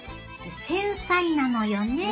繊細なのよね